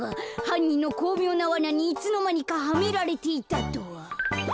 はんにんのこうみょうなわなにいつのまにかハメられていたとは。